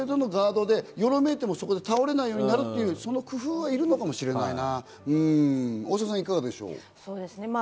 コーンを置いてるんだったら、ある程度のガードでよろめいても、そこで倒れないようになる、その工夫はいるかもしれないな。